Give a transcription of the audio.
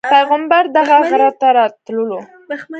پیغمبر دغه غره ته راتللو.